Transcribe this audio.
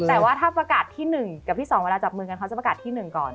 แต่ว่าถ้าประกาศที่๑กับที่๒เวลาจับมือกันเขาจะประกาศที่๑ก่อน